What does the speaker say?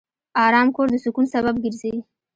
آرام کور د سکون سبب ګرځي.